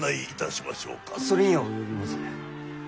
それには及びませぬ。